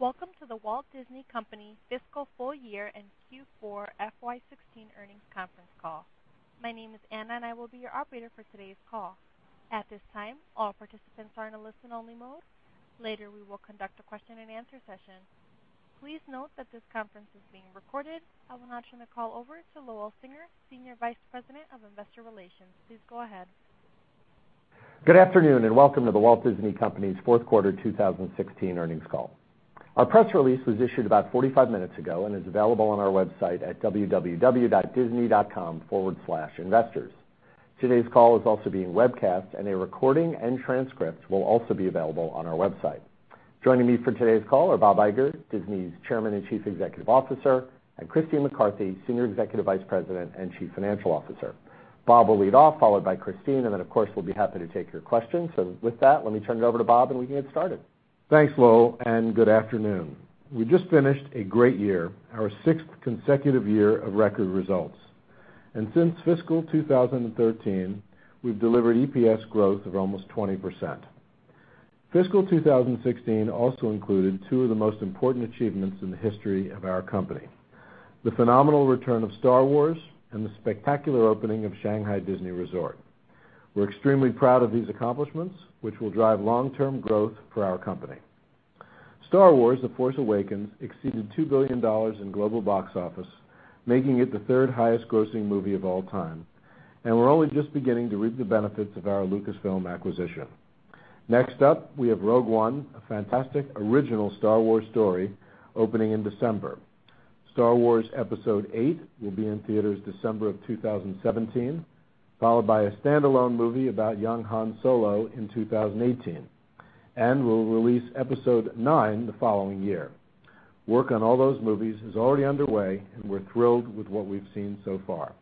Welcome to The Walt Disney Company fiscal full year and Q4 FY 2016 earnings conference call. My name is Anna and I will be your operator for today's call. At this time, all participants are in a listen-only mode. Later, we will conduct a question and answer session. Please note that this conference is being recorded. I will now turn the call over to Lowell Singer, Senior Vice President of Investor Relations. Please go ahead. Good afternoon. Welcome to The Walt Disney Company's fourth quarter 2016 earnings call. Our press release was issued about 45 minutes ago and is available on our website at www.disney.com/investors. Today's call is also being webcast, and a recording and transcript will also be available on our website. Joining me for today's call are Bob Iger, Disney's Chairman and Chief Executive Officer, and Christine McCarthy, Senior Executive Vice President and Chief Financial Officer. Bob will lead off, followed by Christine. Then of course, we'll be happy to take your questions. With that, let me turn it over to Bob and we can get started. Thanks, Lowell. Good afternoon. We just finished a great year, our sixth consecutive year of record results. Since fiscal 2013, we've delivered EPS growth of almost 20%. Fiscal 2016 also included two of the most important achievements in the history of our company, the phenomenal return of Star Wars and the spectacular opening of Shanghai Disney Resort. We're extremely proud of these accomplishments, which will drive long-term growth for our company. Star Wars: The Force Awakens exceeded $2 billion in global box office, making it the third highest grossing movie of all time. We're only just beginning to reap the benefits of our Lucasfilm acquisition. Next up, we have Rogue One, a fantastic original Star Wars story, opening in December. Star Wars: Episode VIII will be in theaters December of 2017, followed by a standalone movie about young Han Solo in 2018. We'll release Episode IX the following year. Work on all those movies is already underway. We're thrilled with what we've seen so far.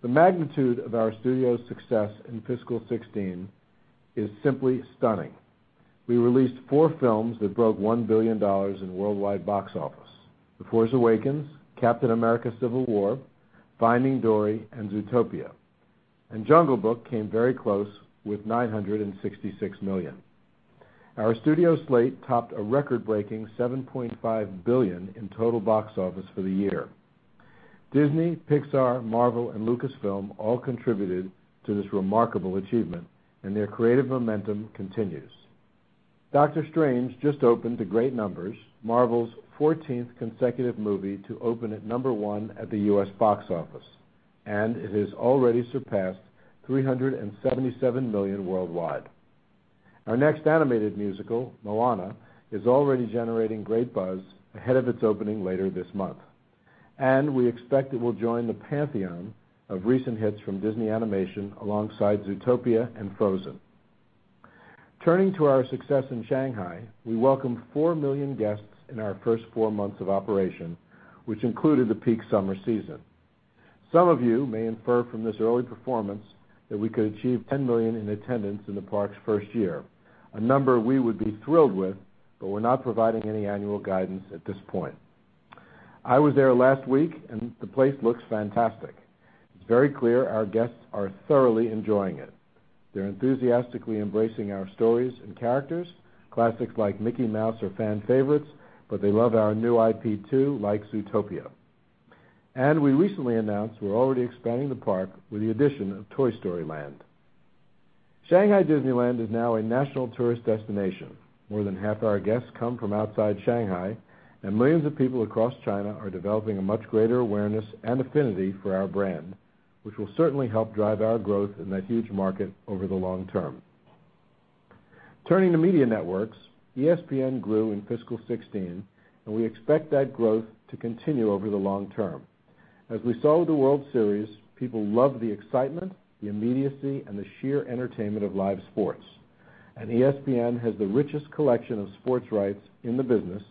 The magnitude of our studio success in fiscal 2016 is simply stunning. We released four films that broke $1 billion in worldwide box office, The Force Awakens, Captain America: Civil War, Finding Dory, and Zootopia. Jungle Book came very close with $966 million. Our studio slate topped a record-breaking $7.5 billion in total box office for the year. Disney, Pixar, Marvel, and Lucasfilm all contributed to this remarkable achievement. Their creative momentum continues. Doctor Strange just opened to great numbers, Marvel's 14th consecutive movie to open at number one at the U.S. box office, and it has already surpassed $377 million worldwide. We expect it will join the pantheon of recent hits from Disney Animation alongside Zootopia and Frozen. Turning to our success in Shanghai, we welcomed four million guests in our first four months of operation, which included the peak summer season. Some of you may infer from this early performance that we could achieve 10 million in attendance in the park's first year, a number we would be thrilled with, but we're not providing any annual guidance at this point. I was there last week, and the place looks fantastic. It's very clear our guests are thoroughly enjoying it. They're enthusiastically embracing our stories and characters. Classics like Mickey Mouse are fan favorites, but they love our new IP too, like Zootopia. We recently announced we're already expanding the park with the addition of Toy Story Land. Shanghai Disneyland is now a national tourist destination. More than half our guests come from outside Shanghai, and millions of people across China are developing a much greater awareness and affinity for our brand, which will certainly help drive our growth in that huge market over the long term. Turning to media networks, ESPN grew in fiscal 2016, and we expect that growth to continue over the long term. As we saw with the World Series, people love the excitement, the immediacy, and the sheer entertainment of live sports. ESPN has the richest collection of sports rights in the business,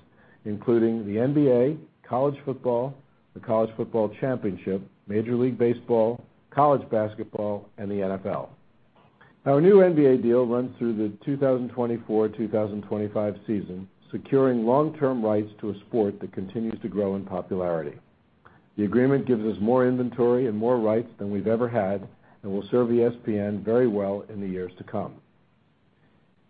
including the NBA, college football, the College Football Championship, Major League Baseball, college basketball, and the NFL. Our new NBA deal runs through the 2024-2025 season, securing long-term rights to a sport that continues to grow in popularity. The agreement gives us more inventory and more rights than we've ever had and will serve ESPN very well in the years to come.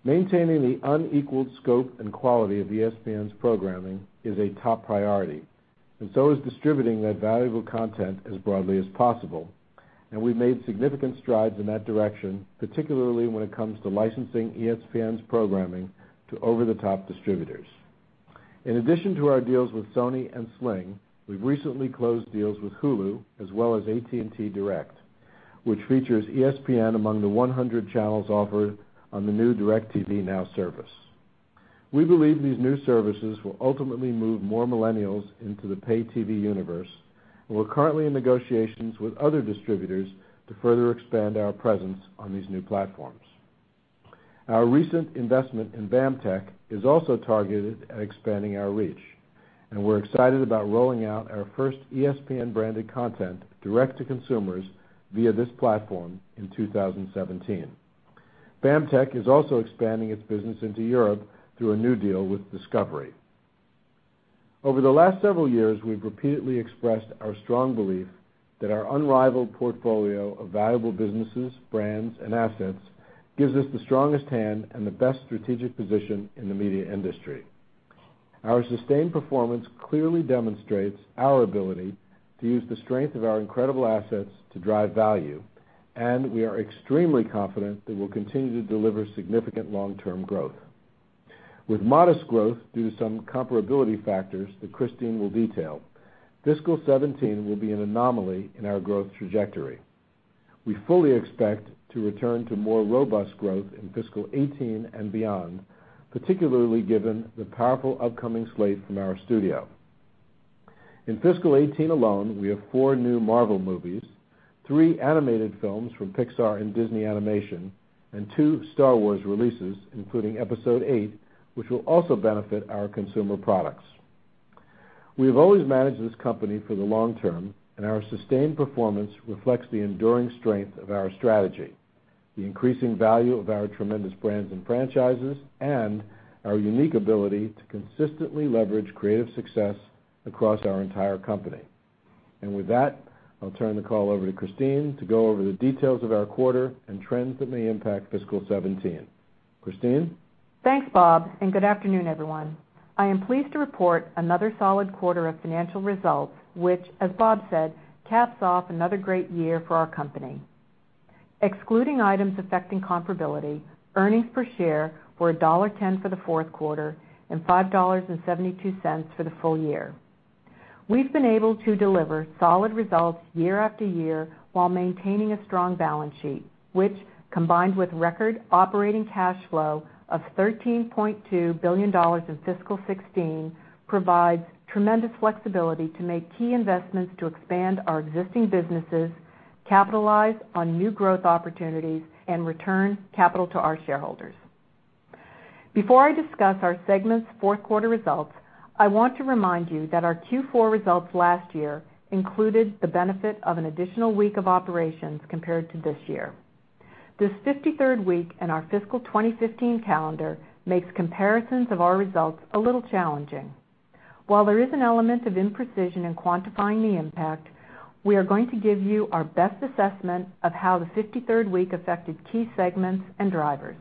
Maintaining the unequaled scope and quality of ESPN's programming is a top priority, and so is distributing that valuable content as broadly as possible. We've made significant strides in that direction, particularly when it comes to licensing ESPN's programming to over-the-top distributors. In addition to our deals with Sony and Sling, we've recently closed deals with Hulu as well as AT&T Direct, which features ESPN among the 100 channels offered on the new DirecTV Now service. We believe these new services will ultimately move more millennials into the pay TV universe, and we're currently in negotiations with other distributors to further expand our presence on these new platforms. Our recent investment in BAMTech is also targeted at expanding our reach, and we're excited about rolling out our first ESPN-branded content direct to consumers via this platform in 2017. BAMTech is also expanding its business into Europe through a new deal with Discovery. Over the last several years, we've repeatedly expressed our strong belief that our unrivaled portfolio of valuable businesses, brands, and assets gives us the strongest hand and the best strategic position in the media industry. Our sustained performance clearly demonstrates our ability to use the strength of our incredible assets to drive value. We are extremely confident that we'll continue to deliver significant long-term growth. With modest growth due to some comparability factors that Christine will detail, fiscal 2017 will be an anomaly in our growth trajectory. We fully expect to return to more robust growth in fiscal 2018 and beyond, particularly given the powerful upcoming slate from our studio. In fiscal 2018 alone, we have four new Marvel movies, three animated films from Pixar and Disney Animation, and two Star Wars releases, including Episode VIII, which will also benefit our consumer products. We have always managed this company for the long term. Our sustained performance reflects the enduring strength of our strategy, the increasing value of our tremendous brands and franchises, and our unique ability to consistently leverage creative success across our entire company. With that, I'll turn the call over to Christine to go over the details of our quarter and trends that may impact fiscal 2017. Christine. Thanks, Bob. Good afternoon, everyone. I am pleased to report another solid quarter of financial results, which, as Bob said, caps off another great year for our company. Excluding items affecting comparability, earnings per share were $1.10 for the fourth quarter and $5.72 for the full year. We've been able to deliver solid results year after year while maintaining a strong balance sheet, which, combined with record operating cash flow of $13.2 billion in fiscal 2016, provides tremendous flexibility to make key investments to expand our existing businesses, capitalize on new growth opportunities, and return capital to our shareholders. Before I discuss our segment's fourth quarter results, I want to remind you that our Q4 results last year included the benefit of an additional week of operations compared to this year. This 53rd week in our fiscal 2015 calendar makes comparisons of our results a little challenging. While there is an element of imprecision in quantifying the impact, we are going to give you our best assessment of how the 53rd week affected key segments and drivers.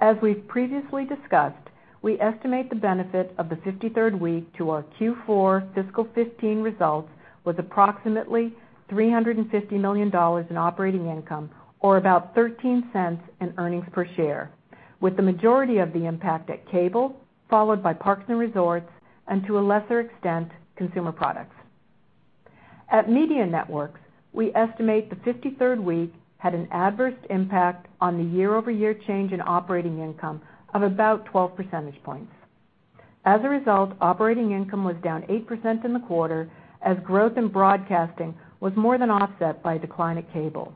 As we've previously discussed, we estimate the benefit of the 53rd week to our Q4 fiscal 2015 results was approximately $350 million in operating income, or about $0.13 in earnings per share, with the majority of the impact at Cable, followed by Parks and Resorts, and to a lesser extent, Consumer Products. At Media Networks, we estimate the 53rd week had an adverse impact on the year-over-year change in operating income of about 12 percentage points. As a result, operating income was down 8% in the quarter as growth in broadcasting was more than offset by a decline at Cable.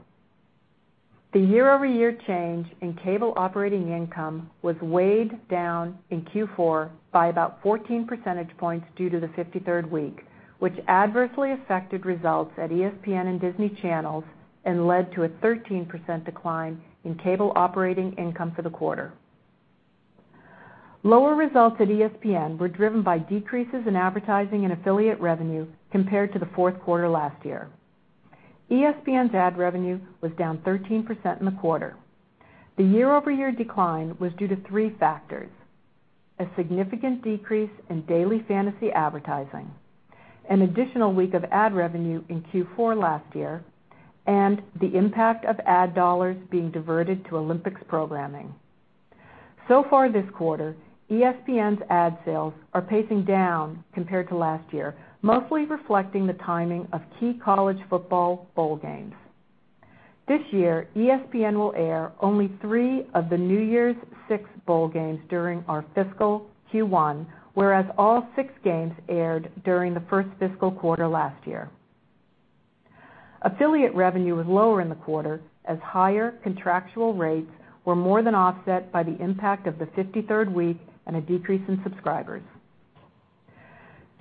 The year-over-year change in Cable operating income was weighed down in Q4 by about 14 percentage points due to the 53rd Week, which adversely affected results at ESPN and Disney Channels and led to a 13% decline in Cable operating income for the quarter. Lower results at ESPN were driven by decreases in advertising and affiliate revenue compared to the fourth quarter last year. ESPN's ad revenue was down 13% in the quarter. The year-over-year decline was due to three factors, a significant decrease in daily fantasy advertising, an additional week of ad revenue in Q4 last year, and the impact of ad dollars being diverted to Olympics programming. Far this quarter, ESPN's ad sales are pacing down compared to last year, mostly reflecting the timing of key college football bowl games. This year, ESPN will air only three of the New Year's six bowl games during our fiscal Q1, whereas all six games aired during the first fiscal quarter last year. Affiliate revenue was lower in the quarter as higher contractual rates were more than offset by the impact of the 53rd Week and a decrease in subscribers.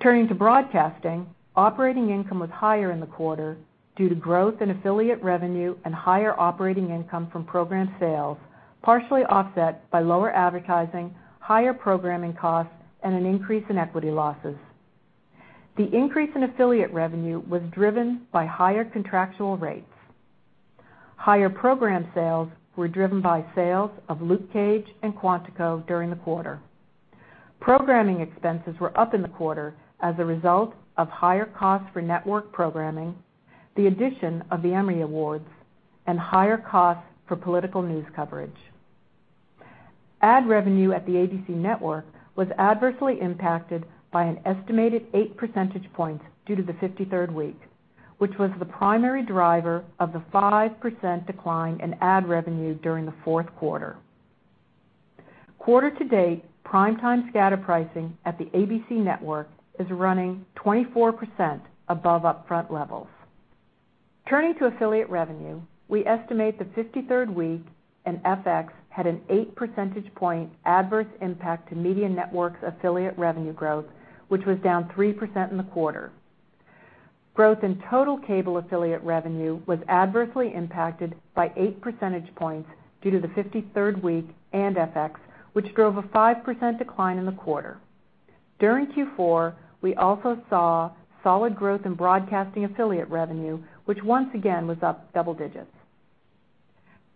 Turning to broadcasting, operating income was higher in the quarter due to growth in affiliate revenue and higher operating income from program sales, partially offset by lower advertising, higher programming costs, and an increase in equity losses. The increase in affiliate revenue was driven by higher contractual rates. Higher program sales were driven by sales of Luke Cage and Quantico during the quarter. Programming expenses were up in the quarter as a result of higher costs for network programming, the addition of the Emmy Awards, and higher costs for political news coverage. Ad revenue at the ABC Network was adversely impacted by an estimated eight percentage points due to the 53rd Week, which was the primary driver of the 5% decline in ad revenue during the fourth quarter. Quarter to date, prime time scatter pricing at the ABC Network is running 24% above upfront levels. Turning to affiliate revenue, we estimate the 53rd Week and FX had an eight percentage point adverse impact to Media Networks' affiliate revenue growth, which was down 3% in the quarter. Growth in total cable affiliate revenue was adversely impacted by eight percentage points due to the 53rd Week and FX, which drove a 5% decline in the quarter. During Q4, we also saw solid growth in broadcasting affiliate revenue, which once again was up double digits.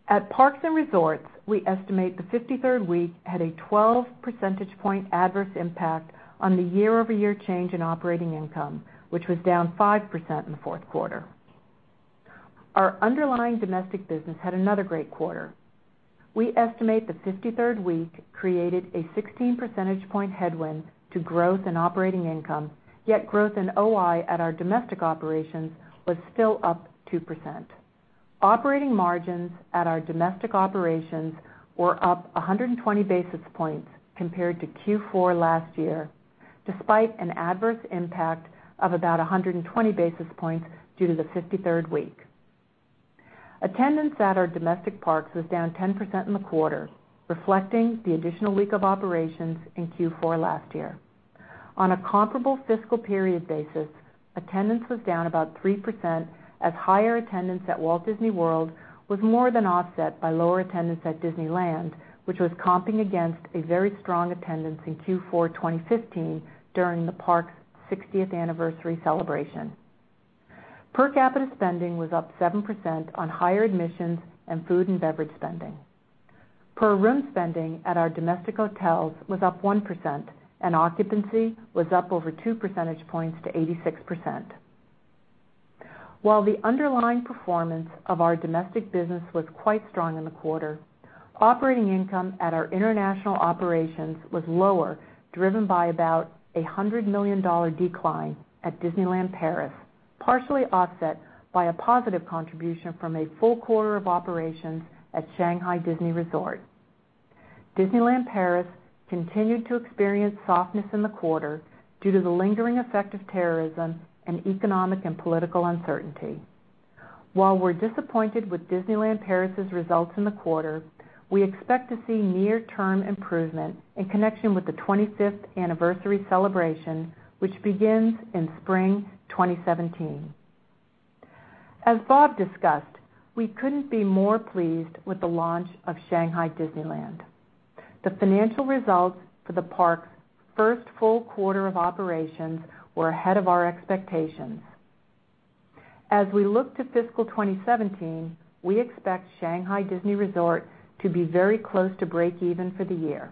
At Parks and Resorts, we estimate the 53rd Week had a 12 percentage point adverse impact on the year-over-year change in operating income, which was down 5% in the fourth quarter. Our underlying domestic business had another great quarter. We estimate the 53rd Week created a 16 percentage point headwind to growth in operating income, yet growth in OI at our domestic operations was still up 2%. Operating margins at our domestic operations were up 120 basis points compared to Q4 last year, despite an adverse impact of about 120 basis points due to the 53rd Week. Attendance at our domestic parks was down 10% in the quarter, reflecting the additional week of operations in Q4 last year. On a comparable fiscal period basis, attendance was down about 3% as higher attendance at Walt Disney World was more than offset by lower attendance at Disneyland, which was comping against a very strong attendance in Q4 2015 during the park's 60th anniversary celebration. Per capita spending was up 7% on higher admissions in food and beverage spending. Per room spending at our domestic hotels was up 1%, and occupancy was up over two percentage points to 86%. While the underlying performance of our domestic business was quite strong in the quarter, operating income at our international operations was lower, driven by about $100 million decline at Disneyland Paris, partially offset by a positive contribution from a full quarter of operations at Shanghai Disney Resort. Disneyland Paris continued to experience softness in the quarter due to the lingering effect of terrorism and economic and political uncertainty. While we're disappointed with Disneyland Paris's results in the quarter, we expect to see near-term improvement in connection with the 25th anniversary celebration, which begins in spring 2017. As Bob discussed, we couldn't be more pleased with the launch of Shanghai Disneyland. The financial results for the park's first full quarter of operations were ahead of our expectations. As we look to fiscal 2017, we expect Shanghai Disney Resort to be very close to break even for the year.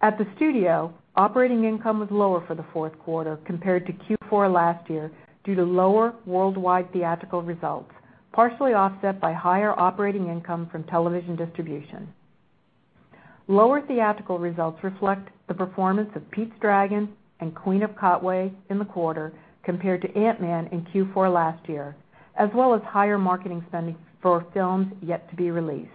At the Studio, operating income was lower for the fourth quarter compared to Q4 last year due to lower worldwide theatrical results, partially offset by higher operating income from television distribution. Lower theatrical results reflect the performance of Pete's Dragon and Queen of Katwe in the quarter, compared to Ant-Man in Q4 last year, as well as higher marketing spending for films yet to be released.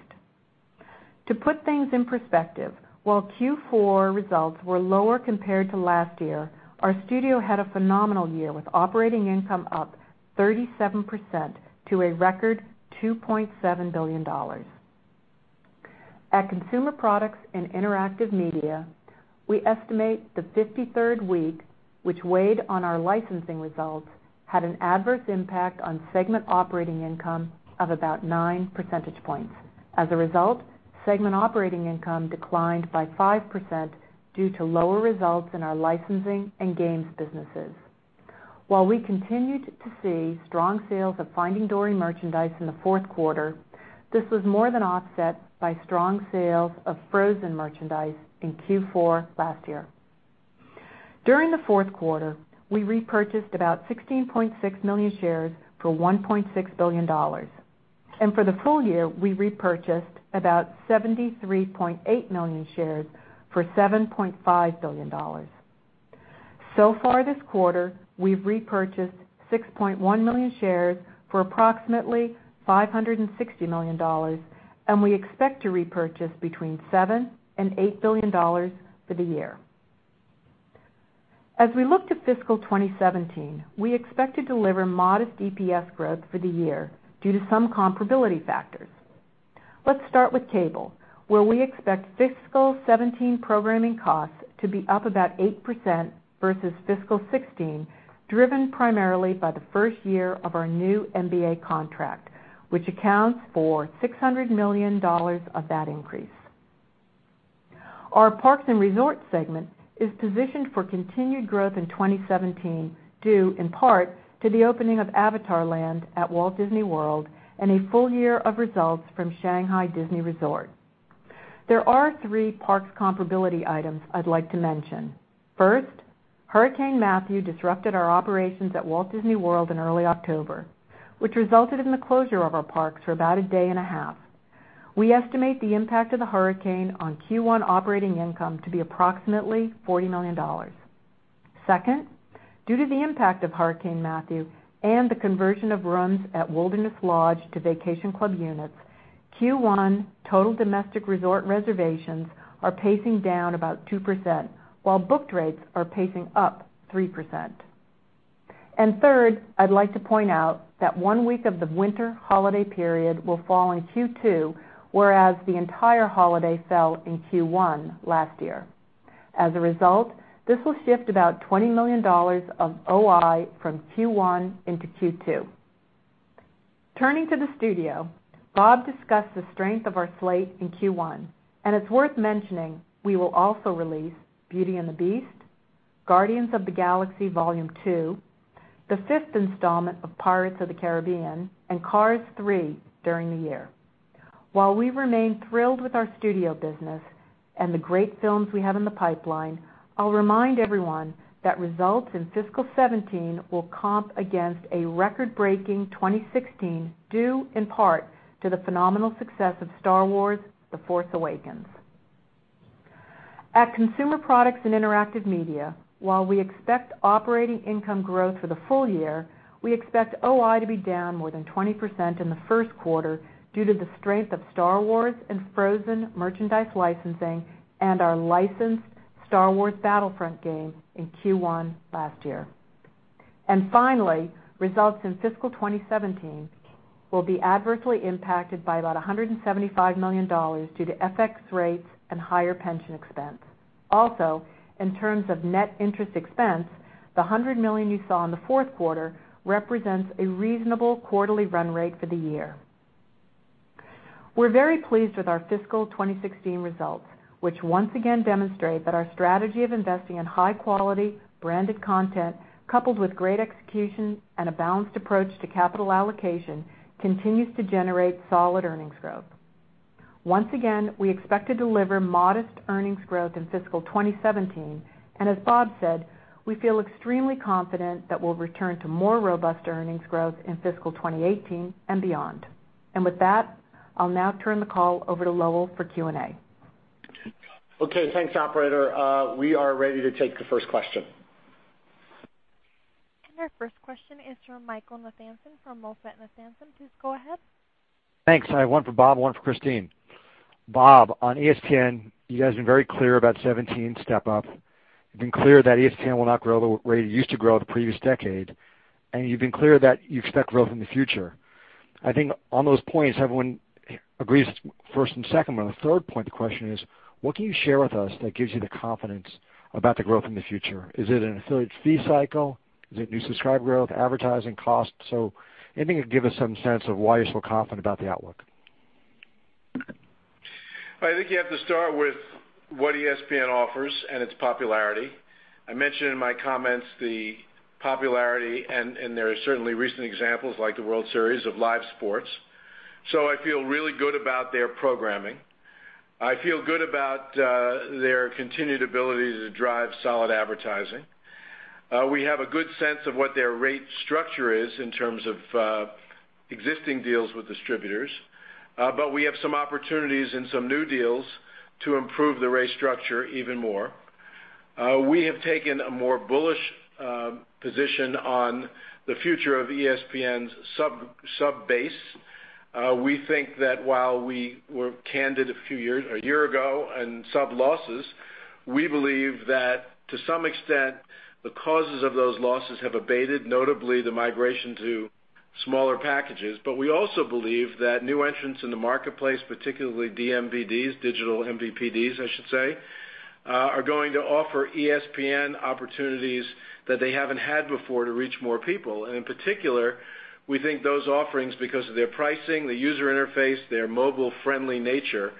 To put things in perspective, while Q4 results were lower compared to last year, our Studio had a phenomenal year, with operating income up 37% to a record $2.7 billion. At Consumer Products and Interactive Media, we estimate the 53rd week, which weighed on our licensing results, had an adverse impact on segment operating income of about nine percentage points. As a result, segment operating income declined by 5% due to lower results in our licensing and games businesses. While we continued to see strong sales of Finding Dory merchandise in the fourth quarter, this was more than offset by strong sales of Frozen merchandise in Q4 last year. During the fourth quarter, we repurchased about 16.6 million shares for $1.6 billion, and for the full year, we repurchased about 73.8 million shares for $7.5 billion. Far this quarter, we've repurchased 6.1 million shares for approximately $560 million, and we expect to repurchase between $7 billion and $8 billion for the year. As we look to fiscal 2017, we expect to deliver modest EPS growth for the year due to some comparability factors. Let's start with cable, where we expect fiscal 2017 programming costs to be up about 8% versus fiscal 2016, driven primarily by the first year of our new NBA contract, which accounts for $600 million of that increase. Our Parks and Resorts segment is positioned for continued growth in 2017, due in part to the opening of Avatar Land at Walt Disney World and a full year of results from Shanghai Disney Resort. There are three parks comparability items I'd like to mention. First, Hurricane Matthew disrupted our operations at Walt Disney World in early October, which resulted in the closure of our parks for about a day and a half. We estimate the impact of the hurricane on Q1 operating income to be approximately $40 million. Second, due to the impact of Hurricane Matthew and the conversion of rooms at Wilderness Lodge to vacation club units, Q1 total domestic resort reservations are pacing down about 2%, while booked rates are pacing up 3%. Third, I'd like to point out that one week of the winter holiday period will fall in Q2, whereas the entire holiday fell in Q1 last year. As a result, this will shift about $20 million of OI from Q1 into Q2. Turning to the studio, Bob discussed the strength of our slate in Q1, and it's worth mentioning we will also release "Beauty and the Beast," "Guardians of the Galaxy Vol. 2," the fifth installment of "Pirates of the Caribbean," and "Cars 3" during the year. While we remain thrilled with our studio business and the great films we have in the pipeline, I'll remind everyone that results in fiscal 2017 will comp against a record-breaking 2016, due in part to the phenomenal success of "Star Wars: The Force Awakens." At Consumer Products and Interactive Media, while we expect operating income growth for the full year, we expect OI to be down more than 20% in the first quarter due to the strength of Star Wars and Frozen merchandise licensing and our licensed Star Wars Battlefront game in Q1 last year. Finally, results in fiscal 2017 will be adversely impacted by about $175 million due to FX rates and higher pension expense. Also, in terms of net interest expense, the $100 million you saw in the fourth quarter represents a reasonable quarterly run rate for the year. We're very pleased with our fiscal 2016 results, which once again demonstrate that our strategy of investing in high-quality branded content, coupled with great execution and a balanced approach to capital allocation, continues to generate solid earnings growth. Once again, we expect to deliver modest earnings growth in fiscal 2017, and as Bob said, we feel extremely confident that we'll return to more robust earnings growth in fiscal 2018 and beyond. With that, I'll now turn the call over to Lowell for Q&A. Okay, thanks, operator. We are ready to take the first question. Our first question is from Michael Nathanson from MoffettNathanson. Please go ahead. Thanks. I have one for Bob, one for Christine. Bob, on ESPN, you guys have been very clear about 2017 step-up. You've been clear that ESPN will not grow the way it used to grow the previous decade, and you've been clear that you expect growth in the future. I think on those points, everyone agrees first and second, but on the third point, the question is, what can you share with us that gives you the confidence about the growth in the future? Is it an affiliate fee cycle? Is it new subscriber growth, advertising costs? Anything that can give us some sense of why you're so confident about the outlook. I think you have to start with what ESPN offers and its popularity. I mentioned in my comments the popularity, and there are certainly recent examples, like the World Series, of live sports. I feel really good about their programming. I feel good about their continued ability to drive solid advertising. We have a good sense of what their rate structure is in terms of existing deals with distributors. We have some opportunities and some new deals to improve the rate structure even more. We have taken a more bullish position on the future of ESPN's sub base. We think that while we were candid a year ago on sub losses, we believe that to some extent, the causes of those losses have abated, notably the migration to smaller packages. We also believe that new entrants in the marketplace, particularly vMVPDs, digital MVPDs, I should say, are going to offer ESPN opportunities that they haven't had before to reach more people. In particular, we think those offerings, because of their pricing, the user interface, their mobile-friendly nature,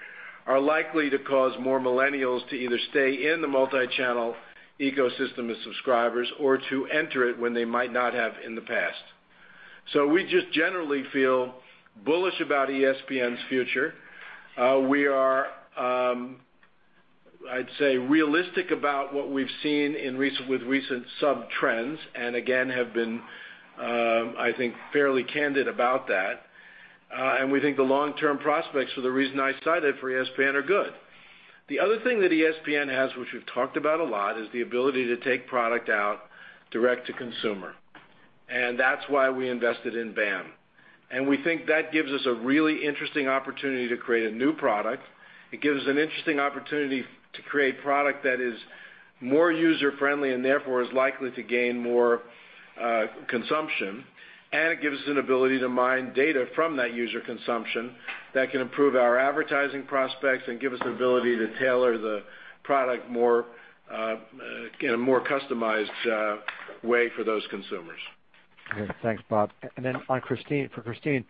are likely to cause more millennials to either stay in the multi-channel ecosystem as subscribers or to enter it when they might not have in the past. We just generally feel bullish about ESPN's future. We are, I'd say, realistic about what we've seen with recent sub trends and again, have been, I think, fairly candid about that. We think the long-term prospects for the reason I cited for ESPN are good. The other thing that ESPN has, which we've talked about a lot, is the ability to take product out direct to consumer, and that's why we invested in BAM. We think that gives us a really interesting opportunity to create a new product. It gives an interesting opportunity to create product that is more user-friendly and therefore is likely to gain more consumption. It gives us an ability to mine data from that user consumption that can improve our advertising prospects and give us ability to tailor the product in a more customized way for those consumers. Okay. Thanks, Bob. For Christine,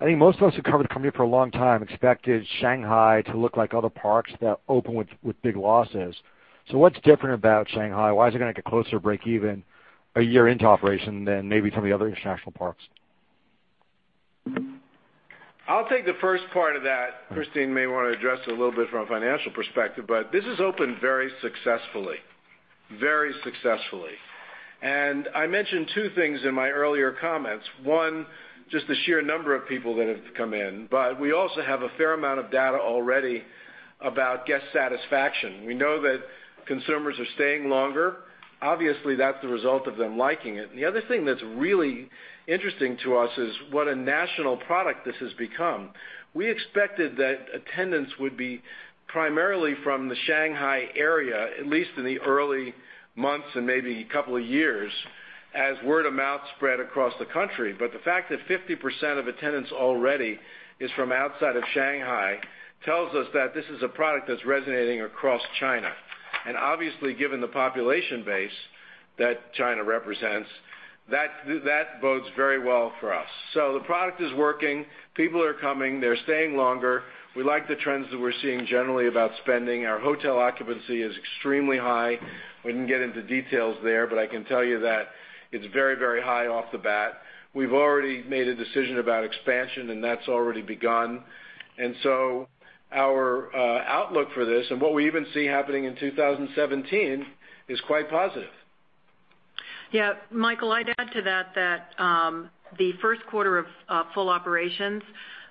I think most of us who covered the company for a long time expected Shanghai to look like other parks that open with big losses. What's different about Shanghai? Why is it going to get closer to breakeven a year into operation than maybe some of the other international parks? I'll take the first part of that. Christine may want to address it a little bit from a financial perspective, but this has opened very successfully. I mentioned two things in my earlier comments. One, just the sheer number of people that have come in, but we also have a fair amount of data already about guest satisfaction. We know that consumers are staying longer. Obviously, that's the result of them liking it. The other thing that's really interesting to us is what a national product this has become. We expected that attendance would be primarily from the Shanghai area, at least in the early months and maybe couple of years. As word of mouth spread across the country. The fact that 50% of attendance already is from outside of Shanghai tells us that this is a product that's resonating across China. Obviously, given the population base that China represents, that bodes very well for us. The product is working. People are coming, they're staying longer. We like the trends that we're seeing generally about spending. Our hotel occupancy is extremely high. We didn't get into details there, but I can tell you that it's very high off the bat. We've already made a decision about expansion, that's already begun. Our outlook for this and what we even see happening in 2017 is quite positive. Michael, I'd add to that the first quarter of full operations,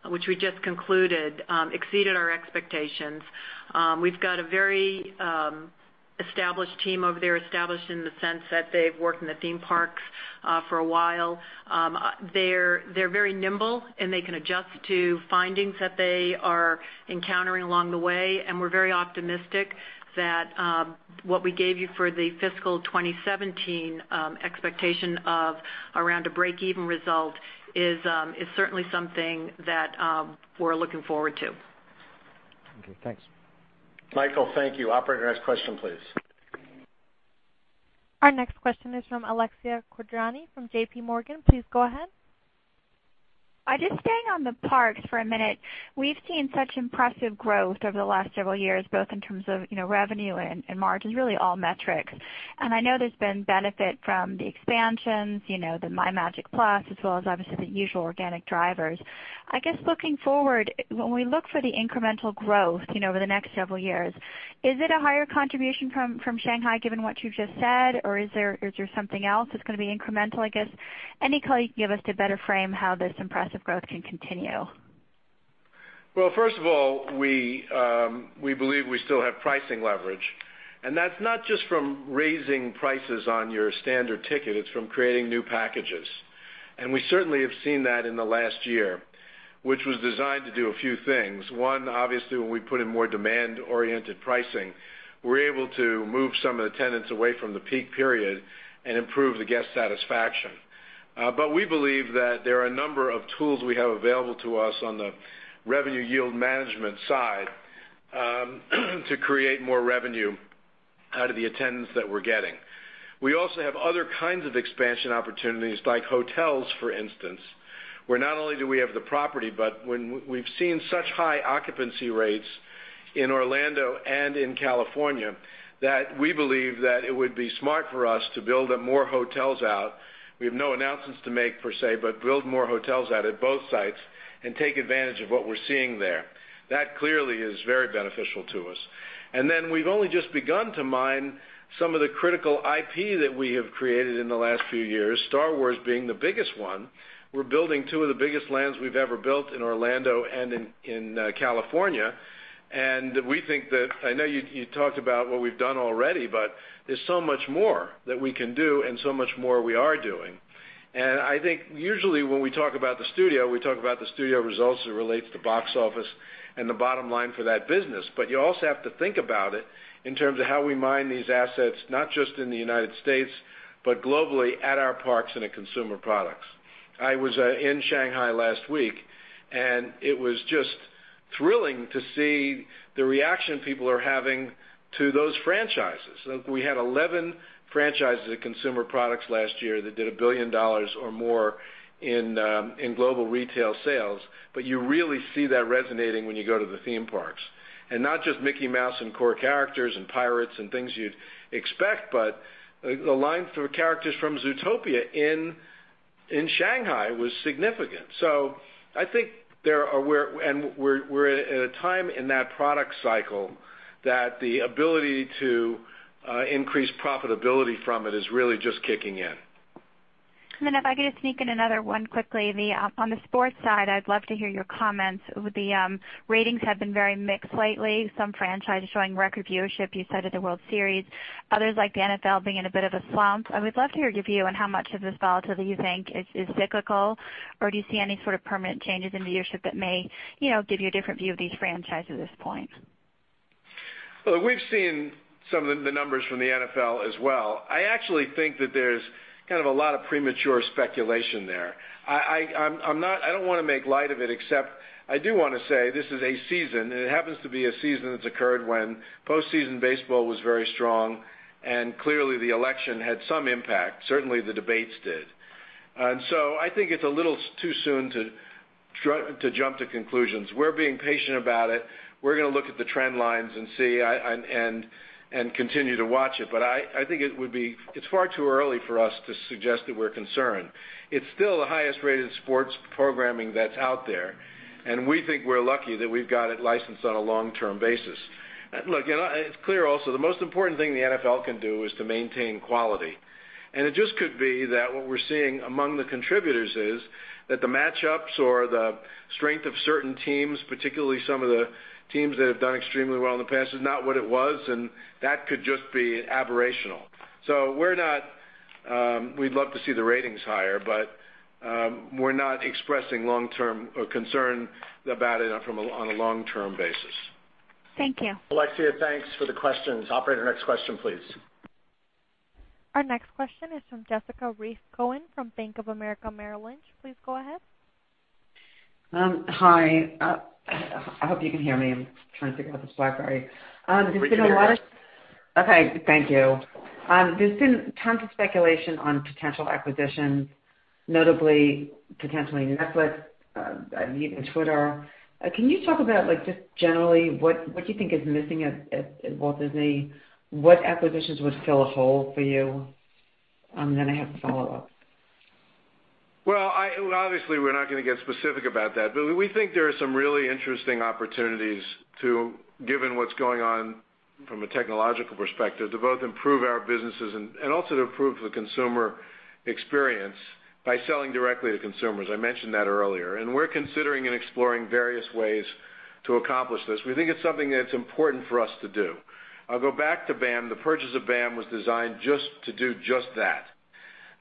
which we just concluded, exceeded our expectations. We've got a very established team over there, established in the sense that they've worked in the theme parks for a while. They're very nimble, and they can adjust to findings that they are encountering along the way. We're very optimistic that what we gave you for the FY 2017 expectation of around a break-even result is certainly something that we're looking forward to. Okay, thanks. Michael, thank you. Operator, next question, please. Our next question is from Alexia Quadrani from J.P. Morgan. Please go ahead. Just staying on the parks for a minute. We've seen such impressive growth over the last several years, both in terms of revenue and margins, really all metrics. I know there's been benefit from the expansions, the MyMagic+, as well as obviously the usual organic drivers. Looking forward, when we look for the incremental growth over the next several years, is it a higher contribution from Shanghai, given what you've just said, or is there something else that's going to be incremental? Any color you can give us to better frame how this impressive growth can continue. First of all, we believe we still have pricing leverage. That's not just from raising prices on your standard ticket, it's from creating new packages. We certainly have seen that in the last year, which was designed to do a few things. One, obviously, when we put in more demand-oriented pricing, we're able to move some of the tenants away from the peak period and improve the guest satisfaction. We believe that there are a number of tools we have available to us on the revenue yield management side to create more revenue out of the attendance that we're getting. We also have other kinds of expansion opportunities, like hotels, for instance, where not only do we have the property, but we've seen such high occupancy rates in Orlando and in California that we believe that it would be smart for us to build up more hotels out. We have no announcements to make per se, but build more hotels out at both sites and take advantage of what we're seeing there. That clearly is very beneficial to us. Then we've only just begun to mine some of the critical IP that we have created in the last few years, Star Wars being the biggest one. We're building two of the biggest lands we've ever built in Orlando and in California. I know you talked about what we've done already, but there's so much more that we can do and so much more we are doing. I think usually when we talk about the studio, we talk about the studio results as it relates to box office and the bottom line for that business. You also have to think about it in terms of how we mine these assets, not just in the United States, but globally at our parks and in consumer products. I was in Shanghai last week, it was just thrilling to see the reaction people are having to those franchises. We had 11 franchises at consumer products last year that did $1 billion or more in global retail sales. You really see that resonating when you go to the theme parks. Not just Mickey Mouse and core characters and pirates and things you'd expect, but the line for characters from Zootopia in Shanghai was significant. I think we're at a time in that product cycle that the ability to increase profitability from it is really just kicking in. If I could just sneak in another one quickly. On the sports side, I'd love to hear your comments. The ratings have been very mixed lately. Some franchises showing record viewership, you said at the World Series, others, like the NFL, being in a bit of a slump. I would love to hear your view on how much of this volatility you think is cyclical, or do you see any sort of permanent changes in viewership that may give you a different view of these franchises at this point? We've seen some of the numbers from the NFL as well. I actually think that there's kind of a lot of premature speculation there. I don't want to make light of it, except I do want to say this is a season, and it happens to be a season that's occurred when postseason baseball was very strong and clearly the election had some impact. Certainly, the debates did. I think it's a little too soon to jump to conclusions. We're being patient about it. We're going to look at the trend lines and see and continue to watch it. I think it's far too early for us to suggest that we're concerned. It's still the highest-rated sports programming that's out there, and we think we're lucky that we've got it licensed on a long-term basis. It's clear also, the most important thing the NFL can do is to maintain quality. It just could be that what we're seeing among the contributors is that the matchups or the strength of certain teams, particularly some of the teams that have done extremely well in the past, is not what it was, and that could just be aberrational. We'd love to see the ratings higher, we're not expressing concern about it on a long-term basis. Thank you. Alexia, thanks for the questions. Operator, next question, please. Our next question is from Jessica Reif Cohen from Bank of America Merrill Lynch. Please go ahead. Hi. I hope you can hear me. I'm trying to figure out this Wi-Fi. We can hear you. Okay, thank you. There's been tons of speculation on potential acquisitions, notably potentially Netflix, even Twitter. Can you talk about, just generally, what do you think is missing at Walt Disney? What acquisitions would fill a hole for you? I have a follow-up. Obviously, we're not going to get specific about that. We think there are some really interesting opportunities, given what's going on from a technological perspective, to both improve our businesses and also to improve the consumer experience by selling directly to consumers. I mentioned that earlier, we're considering and exploring various ways to accomplish this. We think it's something that's important for us to do. I'll go back to BAM. The purchase of BAM was designed to do just that.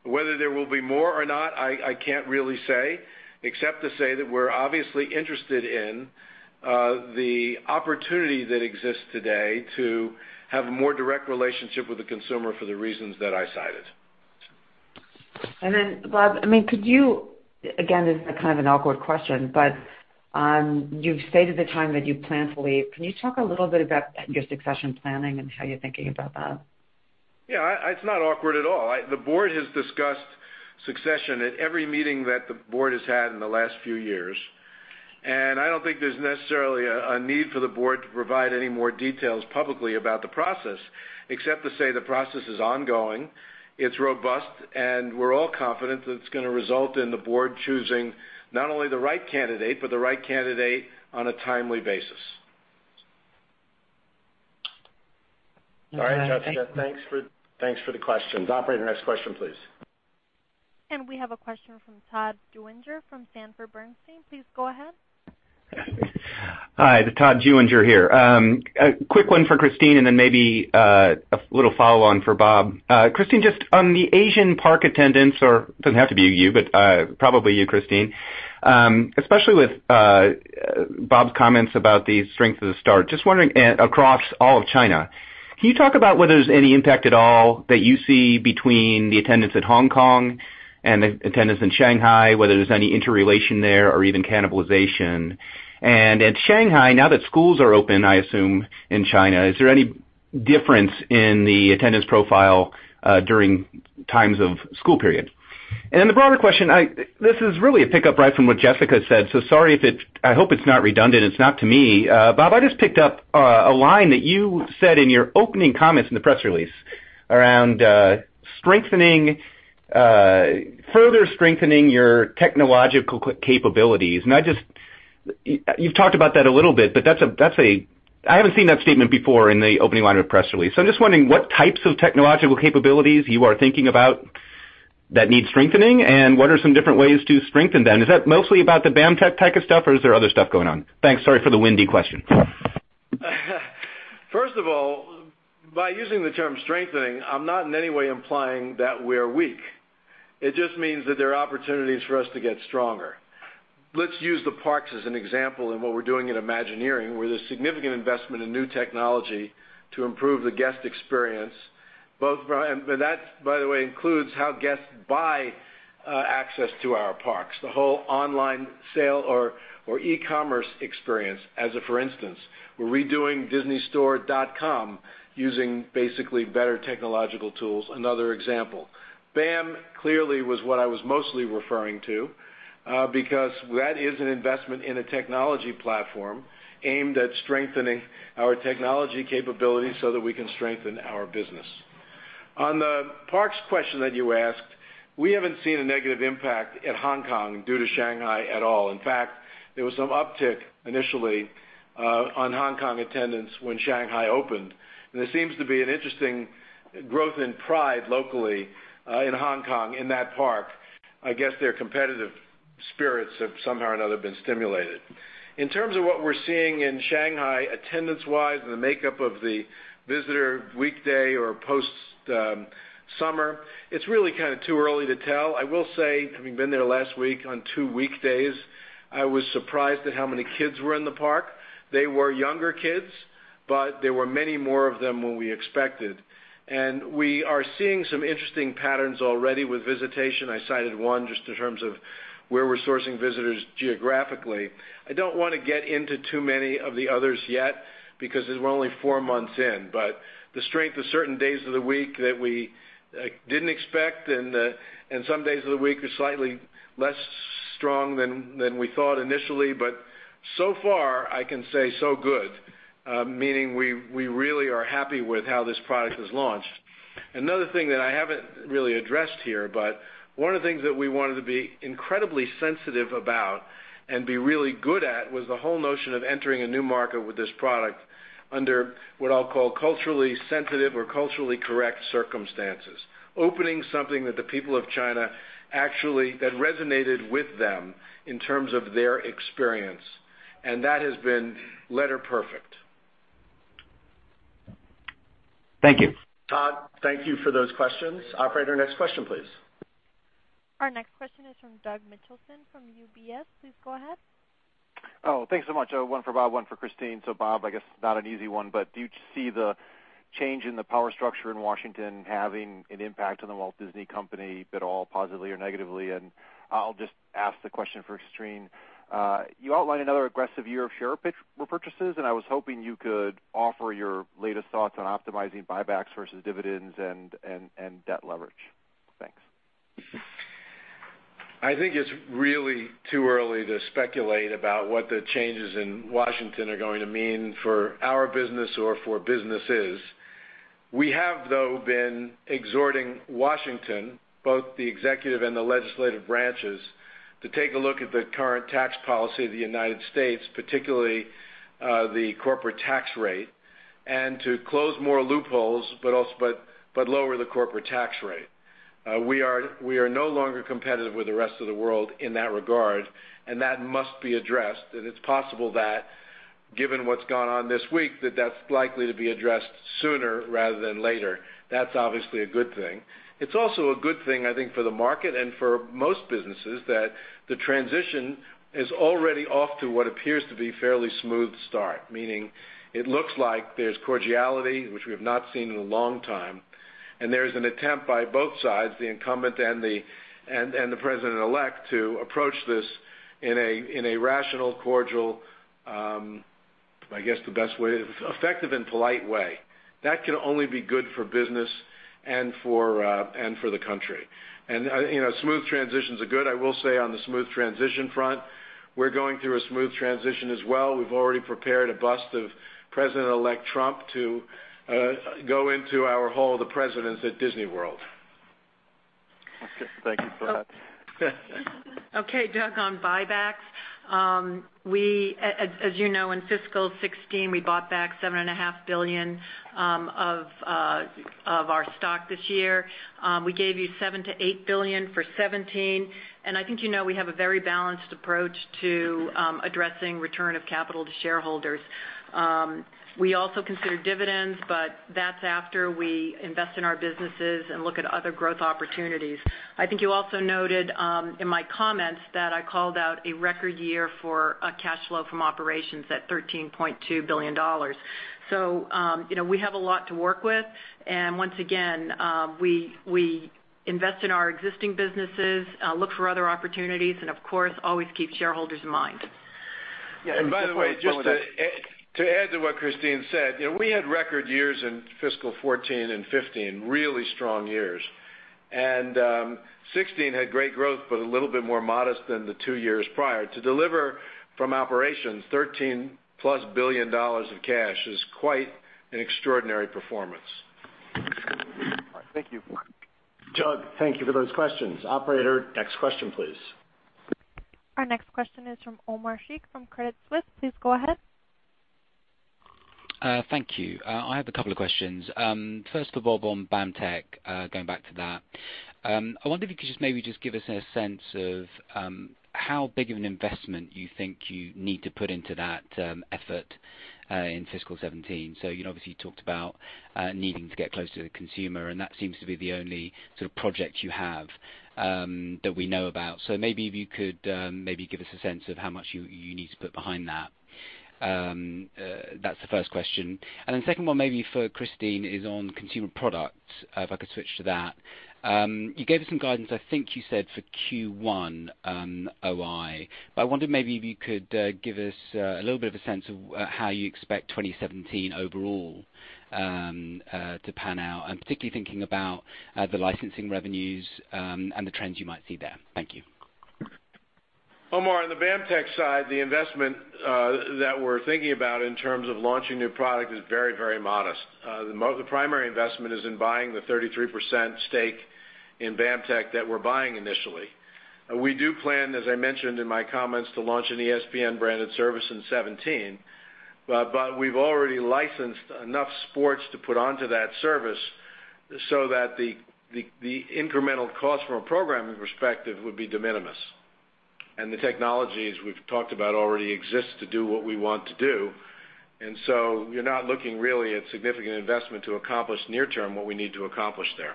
Whether there will be more or not, I can't really say, except to say that we're obviously interested in the opportunity that exists today to have a more direct relationship with the consumer for the reasons that I cited. Bob, again, this is kind of an awkward question, but you've stated the time that you plan to leave. Can you talk a little bit about your succession planning and how you're thinking about that? Yeah, it's not awkward at all. The board has discussed succession at every meeting that the board has had in the last few years. I don't think there's necessarily a need for the board to provide any more details publicly about the process, except to say the process is ongoing, it's robust, and we're all confident that it's going to result in the board choosing not only the right candidate but the right candidate on a timely basis. Thank you. All right, Jessica. Thanks for the questions. Operator, next question, please. We have a question from Todd Juenger from Sanford Bernstein. Please go ahead. Hi, Todd Juenger here. A quick one for Christine, and then maybe a little follow-on for Bob. Christine, just on the Asian park attendance or, doesn't have to be you, but probably you, Christine. Especially with Bob's comments about the strength of the Star, just wondering across all of China, can you talk about whether there's any impact at all that you see between the attendance at Hong Kong and the attendance in Shanghai, whether there's any interrelation there or even cannibalization? At Shanghai, now that schools are open, I assume, in China, is there any difference in the attendance profile during times of school period? The broader question, this is really a pickup right from what Jessica said, sorry, I hope it's not redundant. It's not to me. Bob, I just picked up a line that you said in your opening comments in the press release around further strengthening your technological capabilities. You've talked about that a little bit, but I haven't seen that statement before in the opening line of a press release. I'm just wondering what types of technological capabilities you are thinking about that need strengthening and what are some different ways to strengthen them. Is that mostly about the BAMTech type of stuff, or is there other stuff going on? Thanks. Sorry for the windy question. First of all, by using the term strengthening, I'm not in any way implying that we're weak. It just means that there are opportunities for us to get stronger. Let's use the parks as an example in what we're doing in Imagineering, where there's significant investment in new technology to improve the guest experience. That, by the way, includes how guests buy access to our parks, the whole online sale or e-commerce experience as a for instance. We're redoing disneystore.com using basically better technological tools. Another example. BAM clearly was what I was mostly referring to because that is an investment in a technology platform aimed at strengthening our technology capabilities so that we can strengthen our business. On the parks question that you asked, we haven't seen a negative impact at Hong Kong due to Shanghai at all. In fact, there was some uptick initially on Hong Kong attendance when Shanghai opened. There seems to be an interesting growth in pride locally in Hong Kong in that park. I guess their competitive spirits have somehow or another been stimulated. In terms of what we're seeing in Shanghai attendance-wise and the makeup of the visitor weekday or post-summer, it's really kind of too early to tell. I will say, having been there last week on two weekdays, I was surprised at how many kids were in the park. They were younger kids, but there were many more of them than we expected. We are seeing some interesting patterns already with visitation. I cited one just in terms of where we're sourcing visitors geographically. I don't want to get into too many of the others yet because we're only four months in, the strength of certain days of the week that we didn't expect and some days of the week are slightly less strong than we thought initially. So far I can say so good, meaning we really are happy with how this product was launched. Another thing that I haven't really addressed here, but one of the things that we wanted to be incredibly sensitive about and be really good at was the whole notion of entering a new market with this product under what I'll call culturally sensitive or culturally correct circumstances. Opening something that the people of China actually resonated with them in terms of their experience, and that has been letter perfect. Thank you. Todd, thank you for those questions. Operator, next question, please. Our next question is from Doug Mitchelson from UBS. Please go ahead. Thanks so much. One for Bob, one for Christine. Bob, I guess not an easy one, but do you see the change in the power structure in Washington having an impact on The Walt Disney Company at all, positively or negatively? I'll just ask the question for Christine. You outlined another aggressive year of share repurchases, and I was hoping you could offer your latest thoughts on optimizing buybacks versus dividends and debt leverage. Thanks. I think it's really too early to speculate about what the changes in Washington are going to mean for our business or for businesses. We have, though, been exhorting Washington, both the executive and the legislative branches, to take a look at the current tax policy of the United States, particularly the corporate tax rate, and to close more loopholes, but lower the corporate tax rate. We are no longer competitive with the rest of the world in that regard, and that must be addressed. It's possible that, given what's gone on this week, that that's likely to be addressed sooner rather than later. That's obviously a good thing. It's also a good thing, I think, for the market and for most businesses that the transition is already off to what appears to be a fairly smooth start, meaning it looks like there's cordiality, which we have not seen in a long time, and there is an attempt by both sides, the incumbent and the President-elect, to approach this in a rational, cordial, effective, and polite way. That can only be good for business and for the country. Smooth transitions are good. I will say on the smooth transition front, we're going through a smooth transition as well. We've already prepared a bust of President-elect Trump to go into our Hall of Presidents at Disney World. Thank you for that. Doug, on buybacks, as you know, in fiscal 2016, we bought back $7.5 billion of our stock this year. We gave you $7 billion to $8 billion for 2017, I think you know we have a very balanced approach to addressing return of capital to shareholders. We also consider dividends, that's after we invest in our businesses and look at other growth opportunities. I think you also noted in my comments that I called out a record year for cash flow from operations at $13.2 billion. We have a lot to work with. Once again, we invest in our existing businesses, look for other opportunities and, of course, always keep shareholders in mind. By the way, just to add to what Christine said, we had record years in fiscal 2014 and 2015, really strong years. 2016 had great growth, a little bit more modest than the two years prior. To deliver from operations, $13+ billion of cash is quite an extraordinary performance. All right. Thank you. Doug, thank you for those questions. Operator, next question, please. Our next question is from Omar Sheikh from Credit Suisse. Please go ahead. Thank you. I have a couple of questions. First of all, on BAMTech, going back to that. I wonder if you could just maybe just give us a sense of how big of an investment you think you need to put into that effort in fiscal 2017. You obviously talked about needing to get closer to the consumer, and that seems to be the only sort of project you have that we know about. Maybe if you could maybe give us a sense of how much you need to put behind that. That's the first question. Then second one, maybe for Christine, is on consumer products, if I could switch to that. You gave us some guidance, I think you said, for Q1 OI. I wonder maybe if you could give us a little bit of a sense of how you expect 2017 overall to pan out, and particularly thinking about the licensing revenues and the trends you might see there. Thank you. Omar, on the BAMTech side, the investment that we're thinking about in terms of launching new product is very modest. The primary investment is in buying the 33% stake in BAMTech that we're buying initially. We do plan, as I mentioned in my comments, to launch an ESPN-branded service in 2017. We've already licensed enough sports to put onto that service so that the incremental cost from a programming perspective would be de minimis. The technologies we've talked about already exist to do what we want to do. You're not looking really at significant investment to accomplish near term what we need to accomplish there.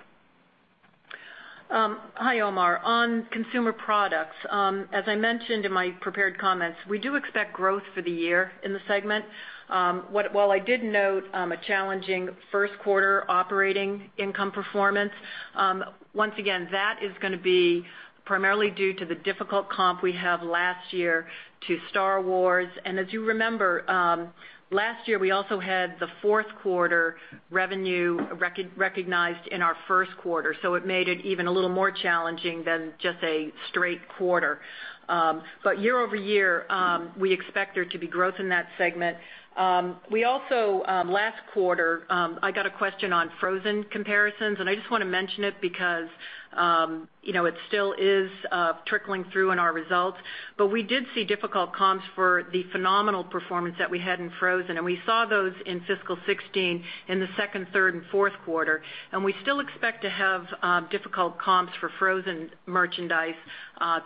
Hi, Omar. On consumer products, as I mentioned in my prepared comments, we do expect growth for the year in the segment. While I did note a challenging first quarter operating income performance, once again, that is going to be primarily due to the difficult comp we have last year to Star Wars. As you remember, last year, we also had the fourth quarter revenue recognized in our first quarter, so it made it even a little more challenging than just a straight quarter. Year-over-year, we expect there to be growth in that segment. Last quarter, I got a question on Frozen comparisons, and I just want to mention it because it still is trickling through in our results. We did see difficult comps for the phenomenal performance that we had in Frozen, and we saw those in fiscal 2016 in the second, third, and fourth quarter, and we still expect to have difficult comps for Frozen merchandise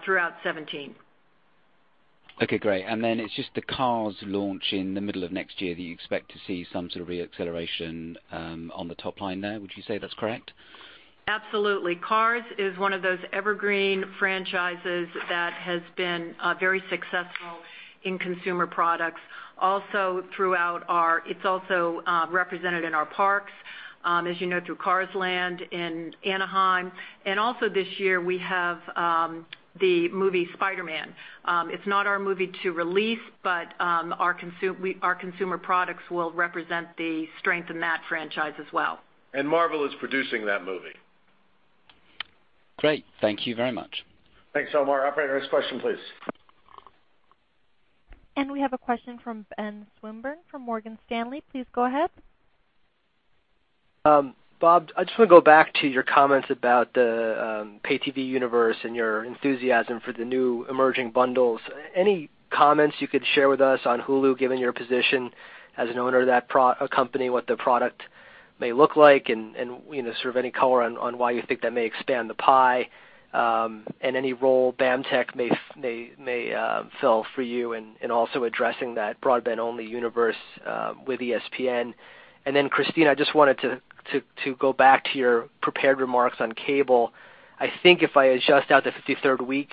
throughout 2017. Okay, great. It's just the Cars launch in the middle of next year that you expect to see some sort of re-acceleration on the top line there. Would you say that's correct? Absolutely. Cars is one of those evergreen franchises that has been very successful in consumer products. It's also represented in our parks, as you know, through Cars Land in Anaheim. Also this year, we have the movie "Spider-Man." It's not our movie to release, but our consumer products will represent the strength in that franchise as well. Marvel is producing that movie. Great. Thank you very much. Thanks, Omar. Operator, next question, please. We have a question from Ben Swinburne from Morgan Stanley. Please go ahead. Bob, I just want to go back to your comments about the pay TV universe and your enthusiasm for the new emerging bundles. Any comments you could share with us on Hulu, given your position as an owner of that company, what the product may look like, and any color on why you think that may expand the pie? Any role BAMTech may fill for you in also addressing that broadband-only universe with ESPN. Christine, I just wanted to go back to your prepared remarks on cable. I think if I adjust out the 53rd week,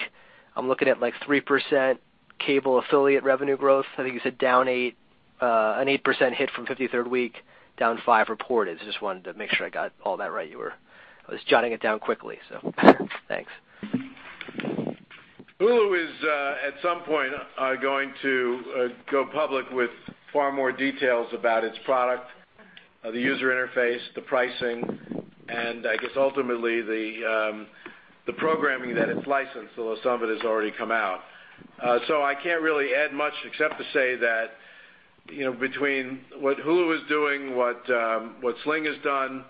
I'm looking at 3% cable affiliate revenue growth. I think you said an 8% hit from 53rd week, down five reported. Just wanted to make sure I got all that right. I was jotting it down quickly, so thanks. Hulu is at some point going to go public with far more details about its product, the user interface, the pricing, and I guess ultimately the programming that it's licensed, although some of it has already come out. I can't really add much except to say that between what Hulu is doing, what Sling has done,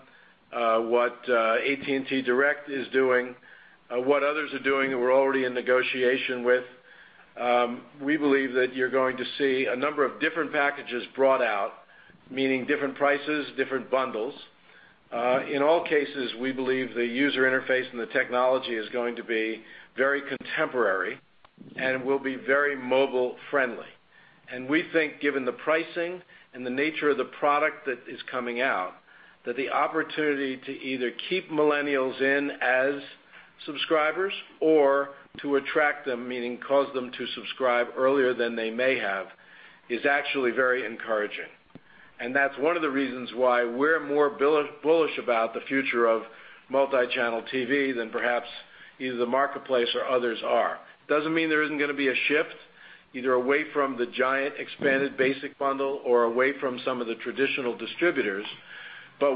what AT&T Direct is doing, what others are doing that we're already in negotiation with, we believe that you're going to see a number of different packages brought out, meaning different prices, different bundles. In all cases, we believe the user interface and the technology is going to be very contemporary and will be very mobile friendly. We think given the pricing and the nature of the product that is coming out, that the opportunity to either keep millennials in as subscribers or to attract them, meaning cause them to subscribe earlier than they may have, is actually very encouraging. That's one of the reasons why we're more bullish about the future of multi-channel TV than perhaps either the marketplace or others are. Doesn't mean there isn't going to be a shift either away from the giant expanded basic bundle or away from some of the traditional distributors,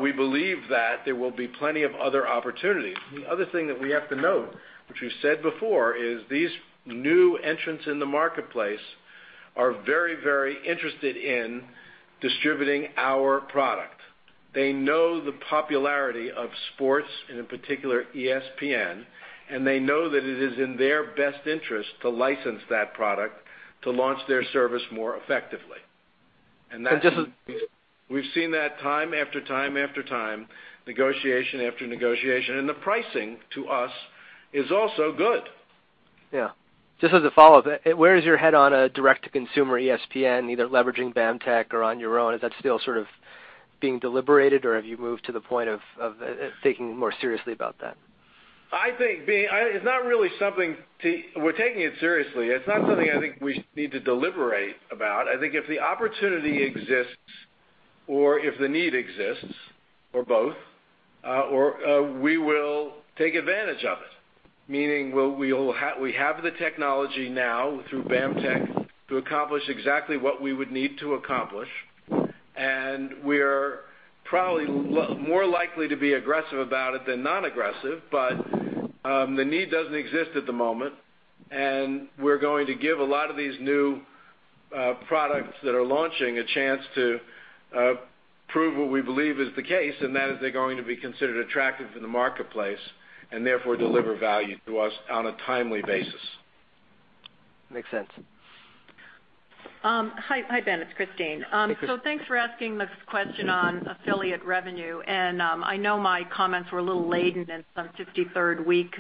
we believe that there will be plenty of other opportunities. The other thing that we have to note, which we've said before, is these new entrants in the marketplace are very interested in distributing our product. They know the popularity of sports, and in particular ESPN, they know that it is in their best interest to license that product to launch their service more effectively. just as We've seen that time after time, negotiation after negotiation, and the pricing to us is also good. Yeah. Just as a follow-up, where is your head on a direct-to-consumer ESPN, either leveraging BAMTech or on your own? Is that still being deliberated, or have you moved to the point of thinking more seriously about that? We're taking it seriously. It's not something I think we need to deliberate about. I think if the opportunity exists or if the need exists, or both, we will take advantage of it, meaning we have the technology now through BAMTech to accomplish exactly what we would need to accomplish, and we're probably more likely to be aggressive about it than not aggressive. The need doesn't exist at the moment, and we're going to give a lot of these new products that are launching a chance to prove what we believe is the case, and that is they're going to be considered attractive in the marketplace and therefore deliver value to us on a timely basis. Makes sense. Hi, Ben. It's Christine. Hey, Christine. Thanks for asking this question on affiliate revenue. I know my comments were a little laden in some 53rd week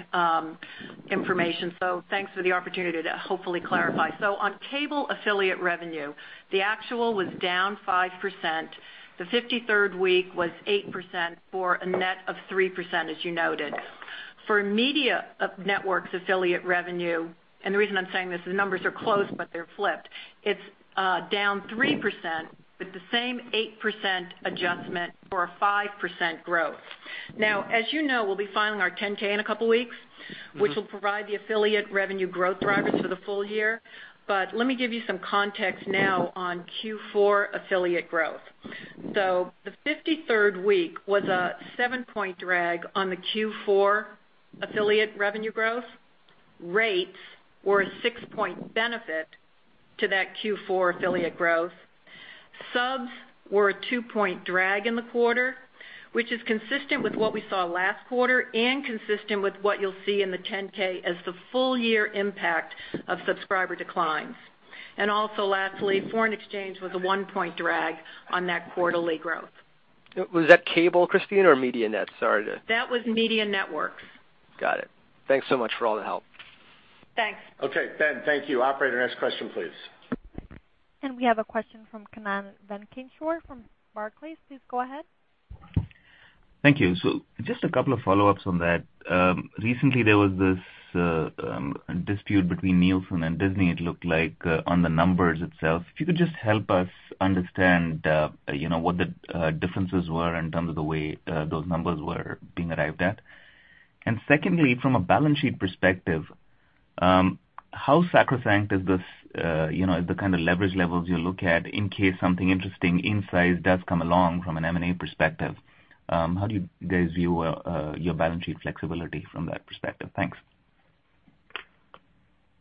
information, thanks for the opportunity to hopefully clarify. On cable affiliate revenue, the actual was down 5%. The 53rd week was 8% for a net of 3%, as you noted. For media networks affiliate revenue, and the reason I'm saying this is the numbers are close, but they're flipped. It's down 3% with the same 8% adjustment for a 5% growth. As you know, we'll be filing our 10-K in a couple of weeks. which will provide the affiliate revenue growth drivers for the full year. Let me give you some context now on Q4 affiliate growth. The 53rd week was a seven-point drag on the Q4 affiliate revenue growth. Rates were a six-point benefit to that Q4 affiliate growth. Subs were a two-point drag in the quarter, which is consistent with what we saw last quarter and consistent with what you'll see in the 10-K as the full year impact of subscriber declines. Also lastly, foreign exchange was a one-point drag on that quarterly growth. Was that cable, Christine, or media net? That was media networks. Got it. Thanks so much for all the help. Thanks. Okay, Ben, thank you. Operator, next question, please. We have a question from Kannan Venkateshwar from Barclays. Please go ahead. Thank you. Just a couple of follow-ups on that. Recently, there was this dispute between Nielsen and Disney, it looked like, on the numbers itself. If you could just help us understand what the differences were in terms of the way those numbers were being arrived at. Secondly, from a balance sheet perspective, how sacrosanct is the kind of leverage levels you look at in case something interesting in size does come along from an M&A perspective? How do you guys view your balance sheet flexibility from that perspective? Thanks.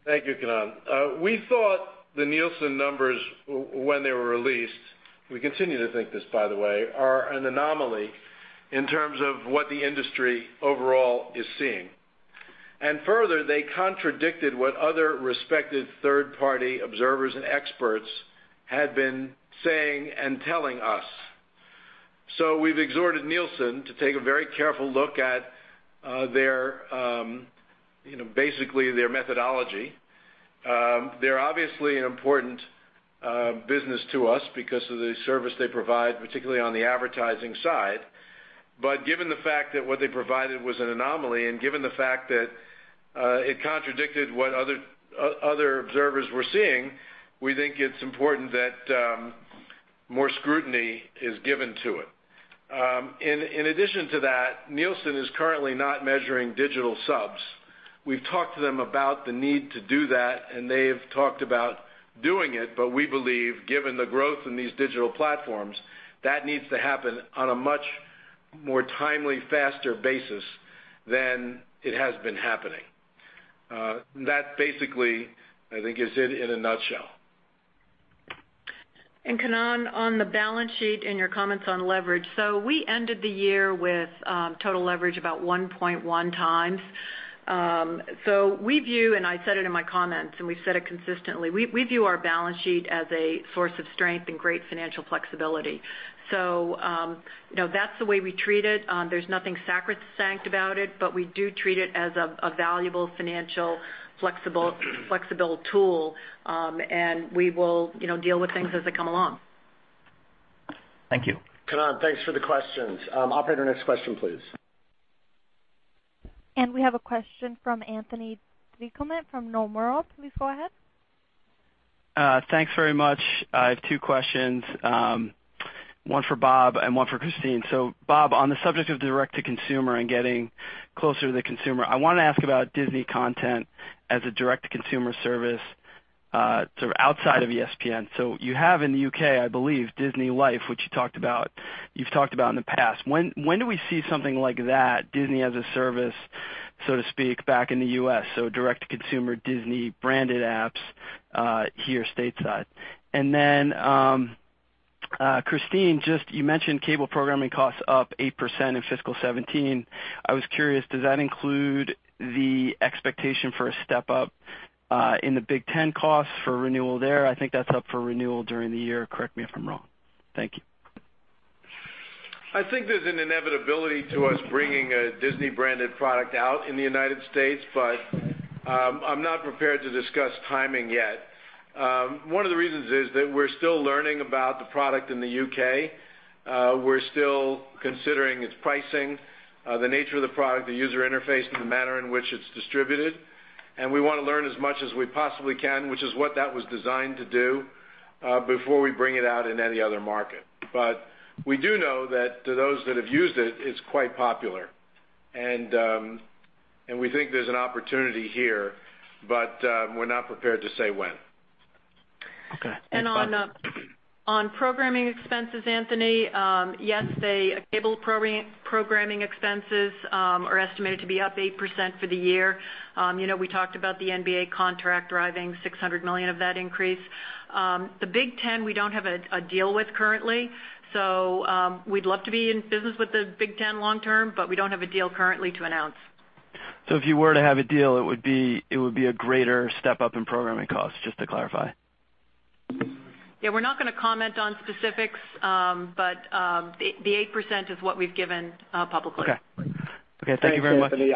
Thank you, Kannan. We thought the Nielsen numbers when they were released, we continue to think this by the way, are an anomaly in terms of what the industry overall is seeing. Further, they contradicted what other respected third-party observers and experts had been saying and telling us. We've exhorted Nielsen to take a very careful look at basically their methodology. They're obviously an important business to us because of the service they provide, particularly on the advertising side. Given the fact that what they provided was an anomaly, and given the fact that it contradicted what other observers were seeing, we think it's important that more scrutiny is given to it. In addition to that, Nielsen is currently not measuring digital subs. We've talked to them about the need to do that, and they've talked about doing it. We believe given the growth in these digital platforms, that needs to happen on a much more timely, faster basis than it has been happening. That basically, I think, is it in a nutshell. Kannan, on the balance sheet and your comments on leverage. We ended the year with total leverage about 1.1 times. We view, and I said it in my comments, and we've said it consistently, we view our balance sheet as a source of strength and great financial flexibility. That's the way we treat it. There's nothing sacrosanct about it. We do treat it as a valuable financial flexible tool, and we will deal with things as they come along. Thank you. Kannan, thanks for the questions. Operator, next question, please. We have a question from Anthony DiClemente from Nomura. Please go ahead. Thanks very much. I have two questions. One for Bob and one for Christine. Bob, on the subject of direct-to-consumer and getting closer to the consumer, I want to ask about Disney content as a direct-to-consumer service sort of outside of ESPN. You have in the U.K., I believe, DisneyLife, which you've talked about in the past. When do we see something like that, Disney as a service, so to speak, back in the U.S.? Direct-to-consumer Disney-branded apps here stateside. Christine, you mentioned cable programming costs up 8% in fiscal 2017. I was curious, does that include the expectation for a step-up in the Big Ten costs for renewal there? I think that's up for renewal during the year. Correct me if I'm wrong. Thank you. I think there's an inevitability to us bringing a Disney-branded product out in the United States, but I'm not prepared to discuss timing yet. One of the reasons is that we're still learning about the product in the U.K. We're still considering its pricing, the nature of the product, the user interface, and the manner in which it's distributed. We want to learn as much as we possibly can, which is what that was designed to do, before we bring it out in any other market. We do know that to those that have used it's quite popular. We think there's an opportunity here, but we're not prepared to say when. Okay. On programming expenses, Anthony, yes, the cable programming expenses are estimated to be up 8% for the year. We talked about the NBA contract driving $600 million of that increase. The Big Ten, we don't have a deal with currently. We'd love to be in business with the Big Ten long term, but we don't have a deal currently to announce. If you were to have a deal, it would be a greater step-up in programming costs, just to clarify? Yeah, we're not going to comment on specifics, but the 8% is what we've given publicly. Okay. Thank you very much. Thanks, Anthony.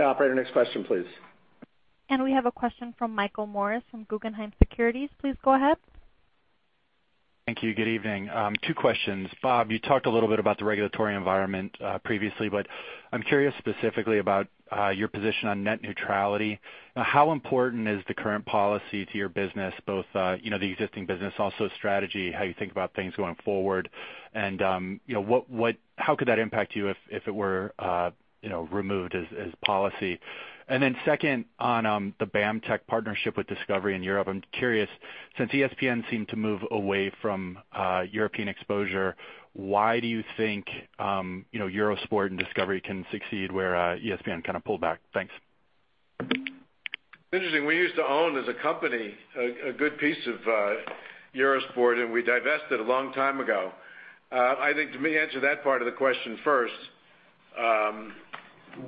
Operator, next question, please. We have a question from Michael Morris from Guggenheim Securities. Please go ahead. Thank you. Good evening. Two questions. Bob, you talked a little bit about the regulatory environment previously, but I'm curious specifically about your position on net neutrality. How important is the current policy to your business, both the existing business, also strategy, how you think about things going forward, and how could that impact you if it were removed as policy? Second on the BAMTech partnership with Discovery in Europe. I'm curious, since ESPN seemed to move away from European exposure, why do you think Eurosport and Discovery can succeed where ESPN kind of pulled back? Thanks. Interesting. We used to own, as a company, a good piece of Eurosport. We divested a long time ago. I think to maybe answer that part of the question first,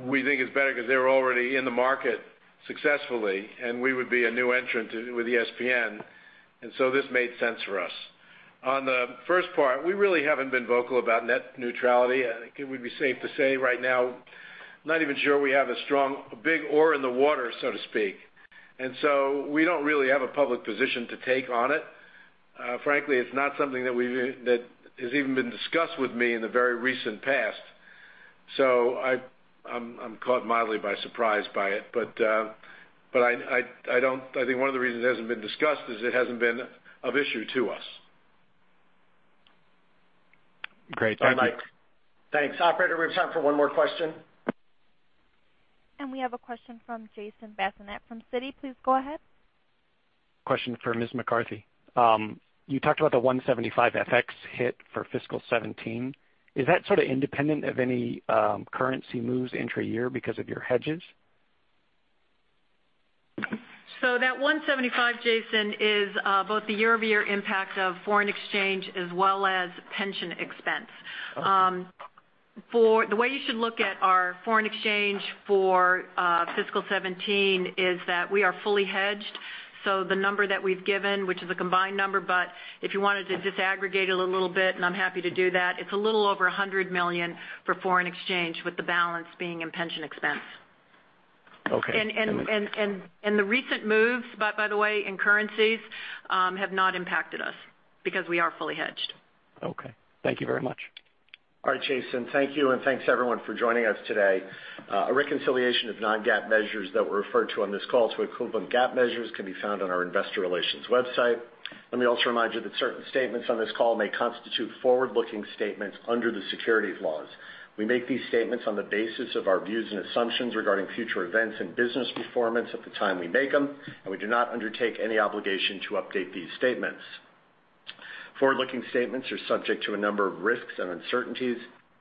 we think it's better because they're. In the market successfully, and we would be a new entrant with ESPN. This made sense for us. On the first part, we really haven't been vocal about net neutrality. I think it would be safe to say right now, not even sure we have a strong, a big oar in the water, so to speak. We don't really have a public position to take on it. Frankly, it's not something that has even been discussed with me in the very recent past. I'm caught mildly by surprise by it. I think one of the reasons it hasn't been discussed is it hasn't been of issue to us. Great. Thank you. Thanks. Operator, we have time for one more question. We have a question from Jason Bazinet from Citi. Please go ahead. Question for Ms. McCarthy. You talked about the $175 FX hit for fiscal 2017. Is that sort of independent of any currency moves intra-year because of your hedges? That $175, Jason, is both the year-over-year impact of foreign exchange as well as pension expense. Okay. The way you should look at our foreign exchange for fiscal 2017 is that we are fully hedged. The number that we've given, which is a combined number, if you wanted to disaggregate it a little bit, I'm happy to do that, it's a little over $100 million for foreign exchange, with the balance being in pension expense. Okay. The recent moves, by the way, in currencies, have not impacted us because we are fully hedged. Okay. Thank you very much. All right, Jason, thank you, and thanks, everyone, for joining us today. A reconciliation of non-GAAP measures that were referred to on this call to equivalent GAAP measures can be found on our investor relations website. Let me also remind you that certain statements on this call may constitute forward-looking statements under the securities laws. We make these statements on the basis of our views and assumptions regarding future events and business performance at the time we make them, and we do not undertake any obligation to update these statements. Forward-looking statements are subject to a number of risks and uncertainties,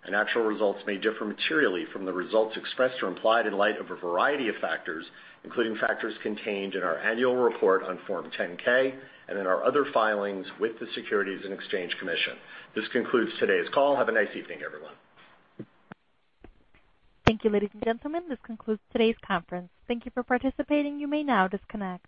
and actual results may differ materially from the results expressed or implied in light of a variety of factors, including factors contained in our annual report on Form 10-K and in our other filings with the Securities and Exchange Commission. This concludes today's call. Have a nice evening, everyone. Thank you, ladies and gentlemen. This concludes today's conference. Thank you for participating. You may now disconnect.